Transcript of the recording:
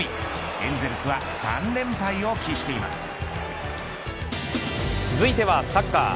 エンゼルスは３連敗を続いてはサッカー。